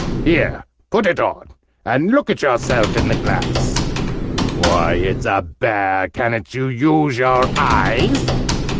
"Here, put it on, and look at yourself in the glass. Why, it's a Bear, ca'n't you use your eyes?"